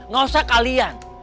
gak usah kalian